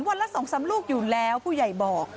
วันละ๒๓ลูกอยู่แล้วผู้ใหญ่บอก